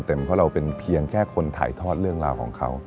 เพราะเราเป็นเพียงแค่คนถ่ายทอดเรื่องราวของเขา